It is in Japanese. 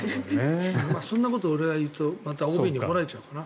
そんなこと俺が言うとＯＢに怒られちゃうな。